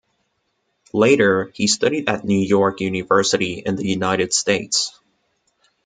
Later, he studied at New York University in the United States.